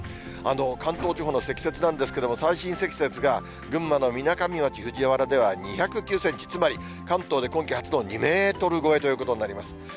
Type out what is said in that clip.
関東地方の積雪なんですけれども、最深積雪が群馬のみなかみ町藤原では２０９センチ、つまり関東で今季初の２メートル超えということになります。